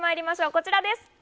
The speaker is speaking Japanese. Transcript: こちらです。